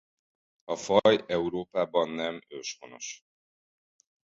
A faj Európában nem őshonos.